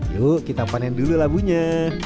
yuk kita panen dulu labunya